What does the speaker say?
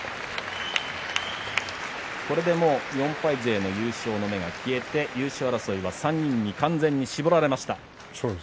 これでもう４敗勢の優勝の目が消えて優勝争いは３人に完全に絞られました。